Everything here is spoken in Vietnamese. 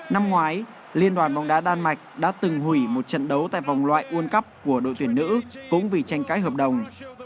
năm ngoái liên đoàn bóng đá đan mạch đã từng hủy một trận đấu tại vòng loại world cup của đội tuyển nữ cũng vì tranh cãi hợp đồng